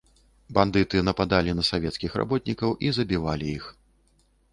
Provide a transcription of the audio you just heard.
Бандыты нападалі на савецкіх работнікаў і забівалі іх.